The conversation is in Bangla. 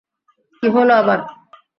কী হলো আবার?